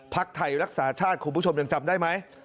ไทยรักษาชาติคุณผู้ชมยังจำได้ไหม